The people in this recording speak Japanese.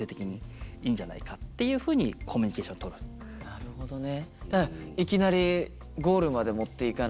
なるほどね。